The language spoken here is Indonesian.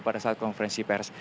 pada saat konferensi pes